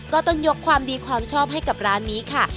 ต้องยกความดีความชอบให้กับร้านนี้ค่ะ